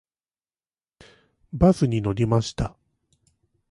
バスに乗りました。